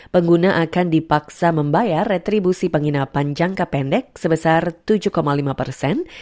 pengguna akan dipaksa membayar retribusi penginapan jangka pendek sebesar tujuh lima persen